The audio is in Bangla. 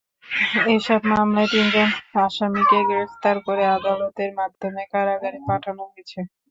এসব মামলায় তিনজন আসামিকে গ্রেপ্তার করে আদালতের মাধ্যমে কারাগারে পাঠানো হয়েছে।